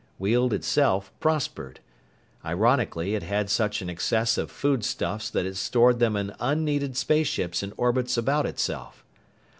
Weald itself prospered. Ironically, it had such an excess of foodstuffs that it stored them in unneeded spaceships in orbits about itself.